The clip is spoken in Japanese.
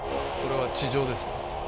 これは地上です